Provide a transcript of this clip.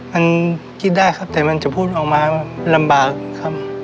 มันคิดได้ครับแต่มันจะพูดออกมาว่าลำบากครับ